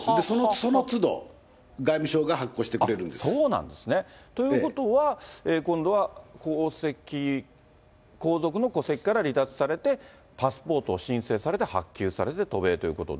そのつど、外務省が発行してくれそうなんですね。ということは、今度は皇籍、皇族の戸籍から離脱されて、パスポートを申請されて、発給されて渡米ということで。